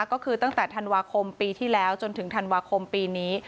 ก็คือตั้งแต่ธันวาคมปีที่แล้วจนถึงธันวาคมปีนี้